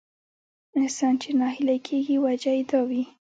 انسان چې ناهيلی کېږي وجه يې دا وي.